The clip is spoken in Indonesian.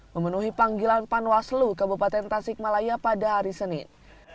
memenuhi panggilan panwaslu kabupaten tasikmalaya pada hari senin